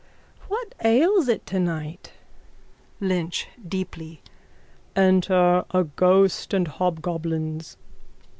_ What ails it tonight? LYNCH: (Deeply.) Enter a ghost and hobgoblins.